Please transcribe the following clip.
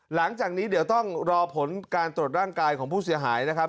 หลังจากนี้เดี๋ยวต้องรอผลการตรวจร่างกายของผู้เสียหายนะครับ